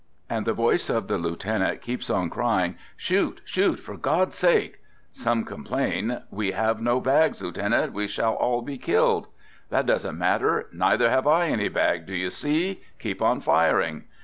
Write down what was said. And the voice of the lieutenant keeps on crying: "Shoot! Shoot! For God's sake J Some complain: "We have no bags, lieutenant ; we shall all be killed !"" That doesn't matter. Neither have I any bag, do you see? Keep on firing!